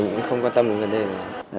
mình cũng không quan tâm đến vấn đề gì